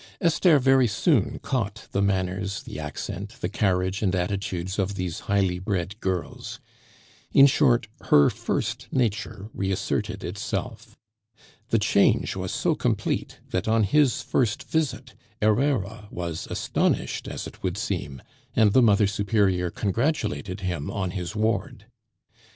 Esther very soon caught the manners, the accent, the carriage and attitudes of these highly bred girls; in short, her first nature reasserted itself. The change was so complete that on his first visit Herrera was astonished as it would seem and the Mother Superior congratulated him on his ward.